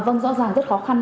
vâng rõ ràng rất khó khăn